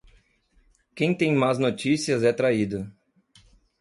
Quem tem más notícias é traído.